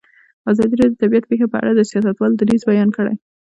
ازادي راډیو د طبیعي پېښې په اړه د سیاستوالو دریځ بیان کړی.